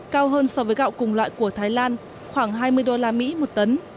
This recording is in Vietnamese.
cao hơn so với gạo cùng loại của thái lan khoảng hai mươi đô la mỹ một tấn